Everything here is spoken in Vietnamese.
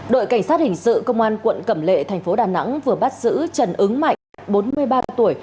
đội cảnh sát hình sự công an quận cẩm lệ thành phố đà nẵng vừa bắt giữ trần ứng mạnh bốn mươi ba tuổi